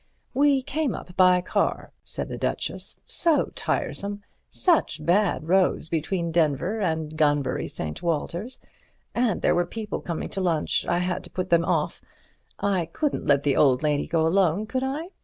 "We came up by car," said the Duchess—"so tiresome—such bad roads between Denver and Gunbury St. Walters—and there were people coming to lunch—I had to put them off—I couldn't let the old lady go alone, could I?